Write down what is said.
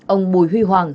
năm ông bùi huy hoàng